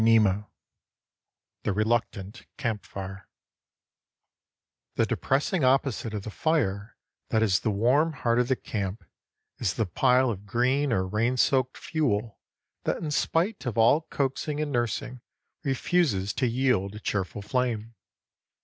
XXIX THE RELUCTANT CAMP FIRE The depressing opposite of the fire that is the warm heart of the camp is the pile of green or rain soaked fuel that in spite of all coaxing and nursing refuses to yield a cheerful flame.